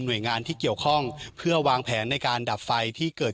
โดยงานที่เกี่ยวข้องเพื่อวางแผนในการดับไฟที่เกิด